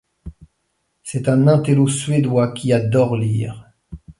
C'est un intello suédois qui adore lire.